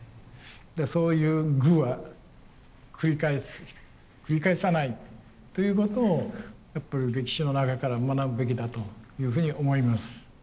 そういう愚は繰り返さないということをやっぱり歴史の中から学ぶべきだというふうに思います。